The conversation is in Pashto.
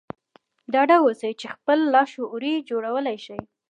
ډاډه اوسئ چې خپل لاشعور جوړولای شئ